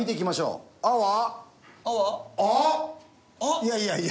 いやいやいや。